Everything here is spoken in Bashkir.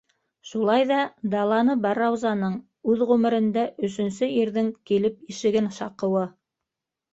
Шулай ҙа даланы бар Раузаның: үҙ ғүмерендә өсөнсө ирҙең килеп ишеген шаҡыу ы!